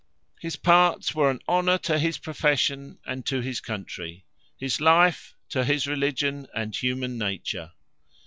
HIS PARTS WERE AN HONOUR TO HIS PROFESSION AND TO HIS COUNTRY: HIS LIFE, TO HIS RELIGION AND HUMAN NATURE.